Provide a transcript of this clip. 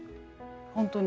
本当に。